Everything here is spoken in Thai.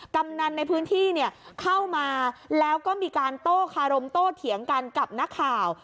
กำนันในพื้นที่เนี่ยเข้ามาแล้วก็มีการโต้คารมโต้เถียงกันกับนักข่าว